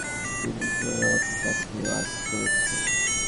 সত্তর-আশি বছর বয়সেও একজন শিল্পী সুপার রোমান্টিক গান গেয়ে মাত করছেন।